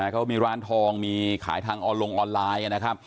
เขามีร้านทองมีขายทางออนลงออนไลน์นะครับ